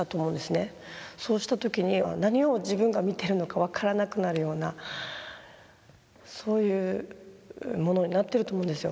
そうした時に何を自分が見てるのか分からなくなるようなそういうものになってると思うんですよ。